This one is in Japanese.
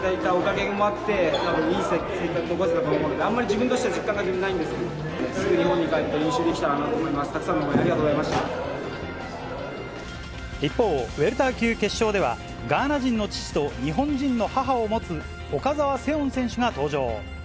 ありがとうござい一方、ウエルター級決勝では、ガーナ人の父と日本人の母を持つ、岡澤セオン選手が登場。